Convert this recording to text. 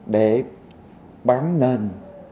để bán nền